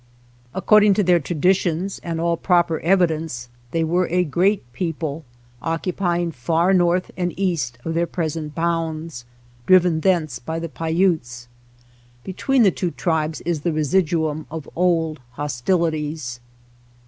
According to their traditions and all proper evidence, they were a great people occu pying far north and east of their present bounds, driven thence by the Paiutes. Be tween the two tribes is the residuum of old hostilities.